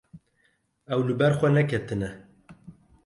Ew li ber xwe neketine.